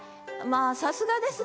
まあさすがですね